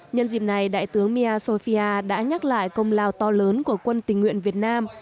nhân dịp này đại tướng miasofia đã nhắc lại công lao to lớn của quân tình nguyện việt nam